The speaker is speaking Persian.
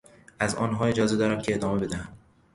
از آنها اجازه دارم که ادامه بدهم.